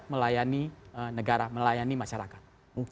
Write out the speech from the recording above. melayani negara melayani masyarakat